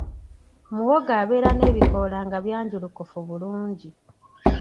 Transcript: Muwogo abeera n’ebikoola nga byanjulukufu bulungi.